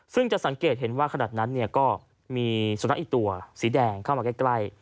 ซึ่งจะสังเกตเห็นว่าขนาดนั้นก็มีสุนัขอีกตัวสีแดงเข้ามาใกล้